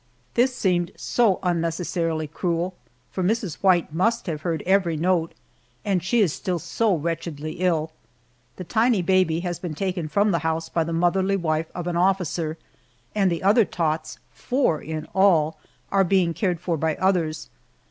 This seemed so unnecessarily cruel, for Mrs. White must have heard every note, and she is still so wretchedly ill. The tiny baby has been taken from the house by the motherly wife of an officer, and the other tots four in all are being cared for by others.